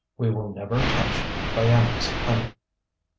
We will never touch Byamee's honey."